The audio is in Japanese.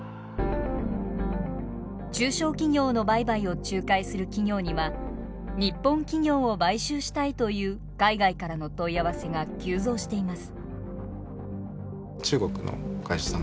中小企業の売買を仲介する企業には日本企業を買収したいという海外からの問い合わせが急増しています。